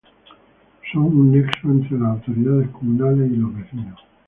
Son un nexo entre las autoridades comunales y los vecinos.